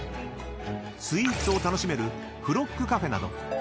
［スイーツを楽しめるフロッグカフェなど］